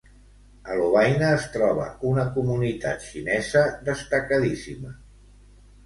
A Lovaina es troba una comunitat xinesa destacadíssima.